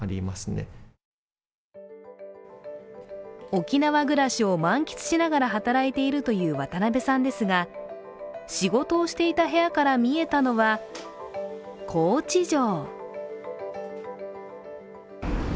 沖縄暮らしを満喫しながら働いているという渡邉さんですが仕事をしていた部屋から見えたのは高知城。